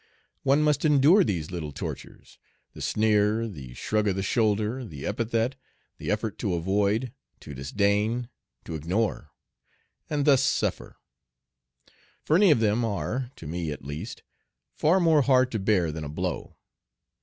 One must endure these little tortures the sneer, the shrug of the shoulder, the epithet, the effort to avoid, to disdain, to ignore and thus suffer; for any of them are to me at least far more hard to bear than a blow.